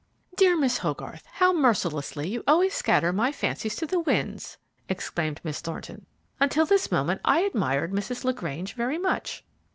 "Dear Mrs. Hogarth, how mercilessly you always scatter my fancies to the winds!" exclaimed Miss Thornton; "until this moment I admired Mrs. LaGrange very much."